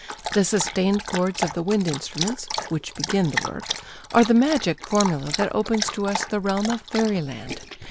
"The sustained chords of the wind instruments [which begin the work] are the magic formula that opens to us the realm of fairyland.